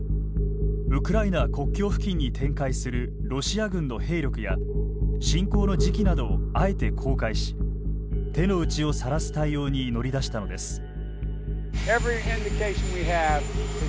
ウクライナ国境付近に展開するロシア軍の兵力や侵攻の時期などをあえて公開し手の内をさらす対応に乗り出したのです。